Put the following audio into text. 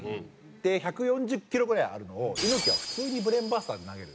１４０キロぐらいあるのを猪木は普通にブレーンバスターで投げる。